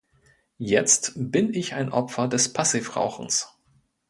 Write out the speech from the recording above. Jetzt bin ich ein Opfer des Passivrauchens.